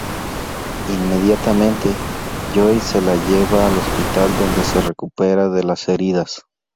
Inmediatamente, Joe se la lleva al hospital donde se recupera de las heridas.